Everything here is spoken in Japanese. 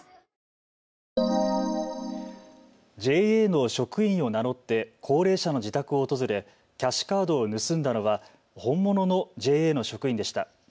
ＪＡの職員を名乗って高齢者の自宅を訪れ、キャッシュカードを盗んだのは本物のＪＡの職員でした。